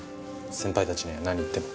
先輩たちには何言っても。